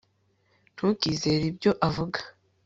ntukizere ibyo avuga